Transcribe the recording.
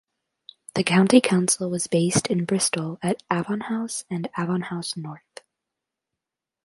The county council was based in Bristol at Avon House and Avon House North.